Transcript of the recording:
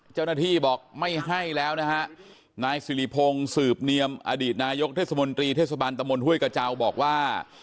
เจ้าหน้าที่บอกไม่ให้แล้วนะฮะนายสิริพงศ์สืบเนียมอดีตนายกเทศมนตรีเทศบันตะมนต์ห้วยกระเจ้าบอกว่า